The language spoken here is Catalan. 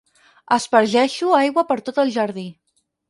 Aspergeixo aigua per tot el jardí.